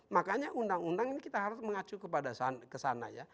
makanya undang undang ini kita harus mengacu ke sana